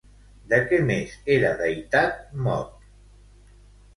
De què més era deïtat Mot?